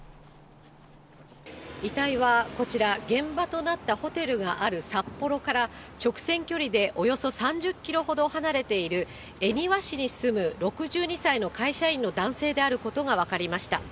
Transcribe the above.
遺体はこちら、現場となったホテルがある札幌から、直線距離でおよそ３０キロほど離れている恵庭市に住む６２歳の会社員の男性であることが分かりました。